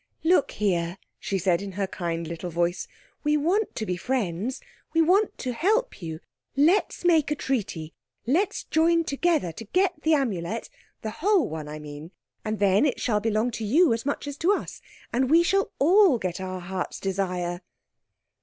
"Look here," she said in her kind little voice, "we want to be friends. We want to help you. Let's make a treaty. Let's join together to get the Amulet—the whole one, I mean. And then it shall belong to you as much as to us, and we shall all get our hearts' desire."